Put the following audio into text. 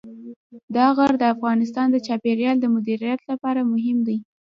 دا غر د افغانستان د چاپیریال د مدیریت لپاره مهم دی.